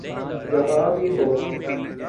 جہاں بھی ہوں۔